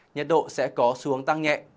nhiệt độ sẽ có xu hướng tăng nhẹ